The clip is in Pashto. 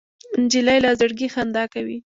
نجلۍ له زړګي خندا کوي.